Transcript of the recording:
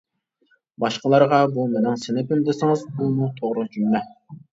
باشقىلارغا بۇ مېنىڭ سىنىپىم دېسىڭىز، بۇمۇ توغرا جۈملە.